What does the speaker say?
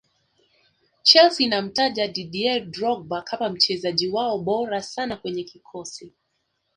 chelsea inamtaja didier drogba kama mchezaji wao bora sana kwenye kikosi